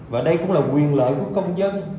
và đây cũng là quyền lợi của công dân